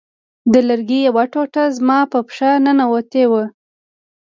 د لرګي یوه ټوټه زما په پښه ننوتې وه